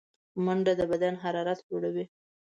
منډه د بدن حرارت لوړوي